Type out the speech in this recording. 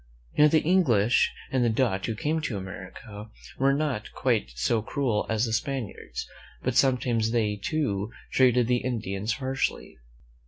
Now, the English and Dutch who came to America were not quite so cruel as the Spaniards, but sometimes they, too, treated the Indians harshly.